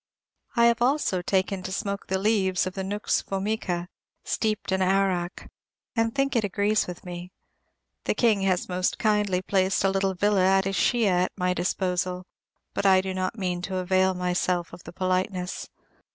I have also taken to smoke the leaves of the nux vomica, steeped in arrack, and think it agrees with me. The King has most kindly placed a little villa at Ischia at my disposal; but I do not mean to avail myself of the politeness.